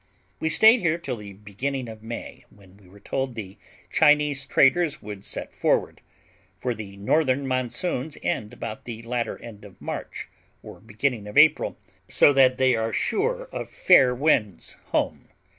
We stayed here till the beginning of May, when we were told the Chinese traders would set forward; for the northern monsoons end about the latter end of March or beginning of April; so that they are sure of fair winds home.